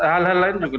hal hal lain juga